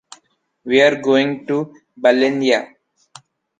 We are going to Balenyà.